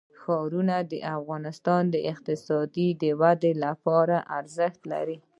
ښارونه د افغانستان د اقتصادي ودې لپاره ارزښت لري.